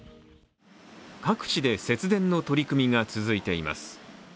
各地で節電の取り組みが続いています。